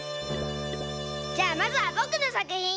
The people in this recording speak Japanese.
じゃあまずはぼくのさくひん。